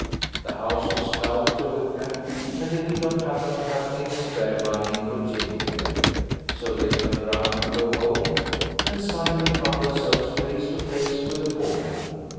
The house was dull to look at, and they did not happen to have any spare money for ginger beer, so they turned round to go home and suddenly found themselves face to face with a woman.